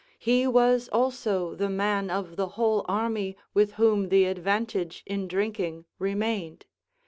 he was also the man of the whole army with whom the advantage in drinking, remained.